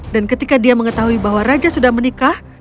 ketika dia mengetahui bahwa raja sudah menikah